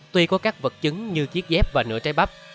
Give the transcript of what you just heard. tuy có các vật chứng như chiếc dép và nửa trái bắp